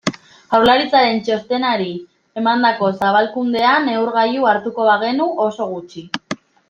Jaurlaritzaren txostenari emandako zabalkundea neurgailu hartuko bagenu, oso gutxi.